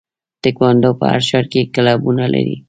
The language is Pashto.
تکواندو په هر ښار کې کلبونه لري.